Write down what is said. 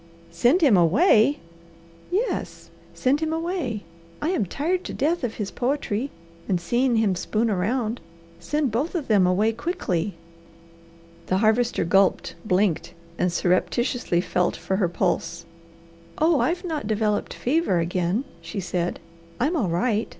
"SEND HIM AWAY?" "Yes, send him away! I am tired to death of his poetry, and seeing him spoon around. Send both of them away quickly!" The Harvester gulped, blinked, and surreptitiously felt for her pulse. "Oh, I've not developed fever again," she said. "I'm all right.